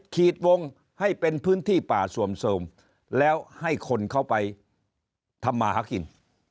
ขีดวงให้เป็นพื้นที่ป่าสวมเสริมแล้วให้คนเข้าไปทำมาหากิน